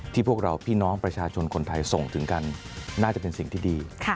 พวกเราพี่น้องประชาชนคนไทยส่งถึงกันน่าจะเป็นสิ่งที่ดี